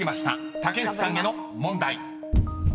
［竹内さんへの問題］